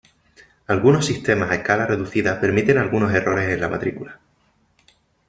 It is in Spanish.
Algunos sistemas a escala reducida permiten algunos errores en la matrícula.